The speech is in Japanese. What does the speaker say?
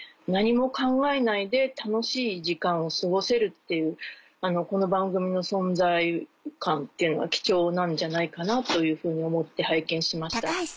何も考えないで楽しい時間を過ごせるっていうこの番組の存在感っていうのは貴重なんじゃないかなというふうに思って拝見しました。